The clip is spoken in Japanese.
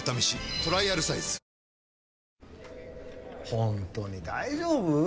ホントに大丈夫？